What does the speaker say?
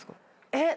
えっ？